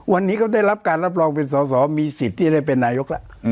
วันนี้เขาได้รับการรับรองเป็นสอสอมีสิทธิ์ที่จะได้เป็นนายกแล้ว